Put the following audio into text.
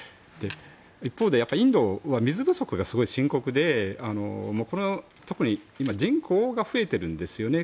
一方でインドは水不足がすごい深刻で特に今、人口が増えているんですよね。